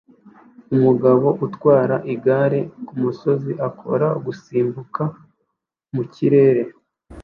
Umugabo utwara igare kumusozi akora gusimbuka mu kirere